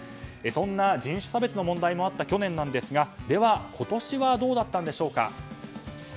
そんな人種差別の問題もあった去年なんですがでは、今年はどうだったんでしょうか。